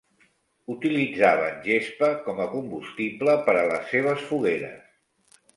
Utilitzaven gespa com a combustible per a les seves fogueres.